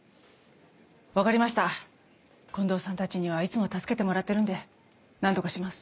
分かりました近藤さんたちにはいつも助けてもらってるんで何とかします。